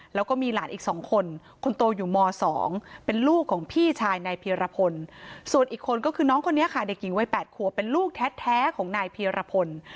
แล้วก็มีหลานอีก๒คนคนโตอยู่ม๒เป็นลูกของพี่ชายนายเพียรพลส่วนอีกคนก็คือน้องคนนี้ค่ะเด็กหญิงวัย๘ขัวเป็นลูกแท้ของนายเพียรพล